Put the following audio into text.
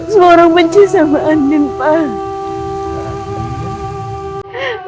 semua orang benci sama andi pak